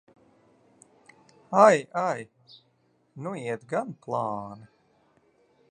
Ai, ai! Nu iet gan plāni!